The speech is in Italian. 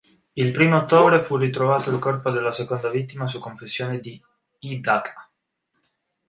Il primo ottobre fu ritrovato il corpo della seconda vittima su confessione di Hidaka.